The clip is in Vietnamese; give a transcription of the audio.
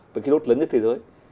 và cái đốt lớn nhất thế giới